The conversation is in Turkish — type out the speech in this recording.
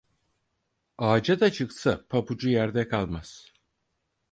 Ağaca da çıksa pabucu yerde kalmaz.